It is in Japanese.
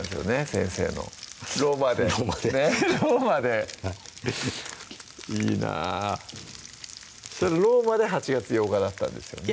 先生のローマでローマでねぇローマでいいなローマで８月８日だったんですよね